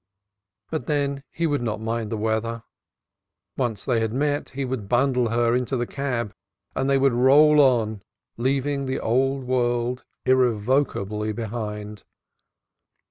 But then he would not mind the weather; once they had met he would bundle her into the cab and they would roll on leaving the old world irrevocably behind.